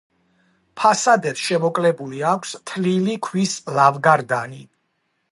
ფასადებს შემოკლებული აქვს თლილი ქვის ლავგარდანი.